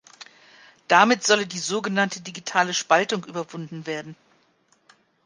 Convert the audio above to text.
Damit solle die so genannte Digitale Spaltung überwunden werden.